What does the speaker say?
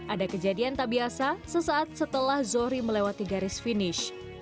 ada kejadian tak biasa sesaat setelah zohri melewati garis finish